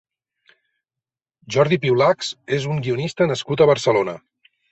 Jordi Piulachs és un guionista nascut a Barcelona.